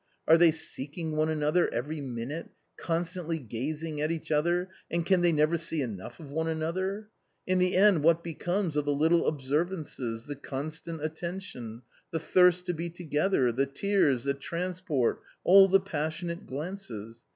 are they seeking one another every minute, constantly gazing at each other, and can they never see enough of one another ? In the end what becomes of the little observances, the constant attention, the thirst to be together, the tears, the transport, all the passionate glances